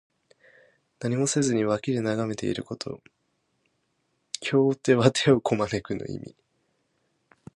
何もせずに脇で眺めていること。「拱手」は手をこまぬくの意味。